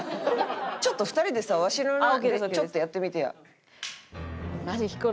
ちょっと２人でさわしのちょっとやってみてや。